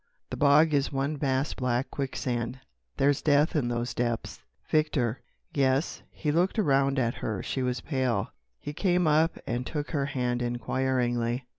The bog is one vast black quicksand. There's death in those depths." "Victor." "Yes?" He looked around at her. She was pale. He came up and took her hand inquiringly.